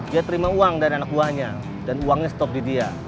dia terima uang dari anak buahnya dan uangnya stop di dia